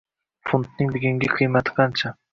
Funtning bugungi qiymati qancha?